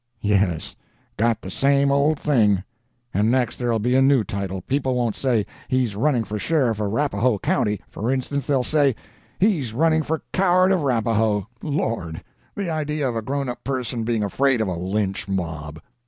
'Yes; got the same old thing.' And next there 'll be a new title. People won't say, 'He's running for sheriff of Rapaho County,' for instance; they'll say, 'He's running for Coward of Rapaho.' Lord, the idea of a grown up person being afraid of a lynch mob!"